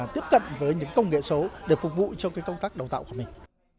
tiếp cận với những công nghệ số để phục vụ cho công tác đào tạo của mình